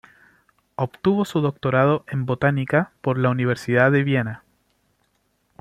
Obtuvo su doctorado en botánica por la Universidad de Viena.